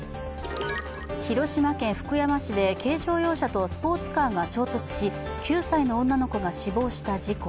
広島県福山市で軽乗用車とスポーツカーが衝突し９歳の女の子が死亡した事故。